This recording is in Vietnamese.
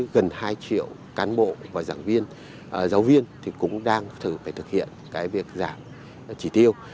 gần hai triệu cán bộ và giảng viên giáo viên thì cũng đang thử phải thực hiện cái việc giảm chỉ tiêu